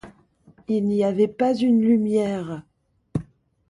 Il n’y avait pas une lumière.